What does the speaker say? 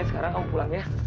nih sekarang aku pulang ya